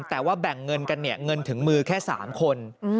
แต่ว่าแบ่งเงินกันเนี่ยเงินถึงมือแค่๓คน